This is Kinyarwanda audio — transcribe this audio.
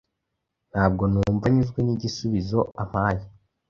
Ntabwo numva nyuzwe nigisubizo ampaye